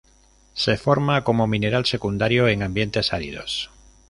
Se forma como mineral secundario en ambientes áridos.